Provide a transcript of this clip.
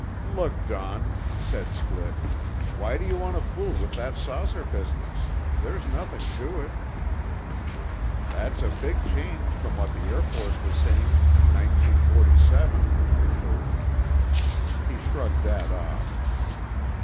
"'Look, Don," said Splitt, "why do you want to fool with that saucer business? There's nothing to it." "'That's a big change from what the Air Force was saying; in 1947," I told him. He shrugged that off.